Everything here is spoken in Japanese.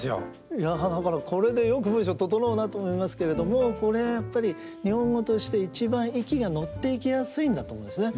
いやだからこれでよく文章整うなと思いますけれどもこれやっぱり日本語として一番息が乗っていきやすいんだと思うんですね。